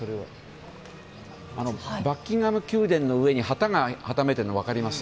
バッキンガム宮殿の上に旗がはためいてるの分かります？